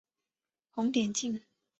红点镜。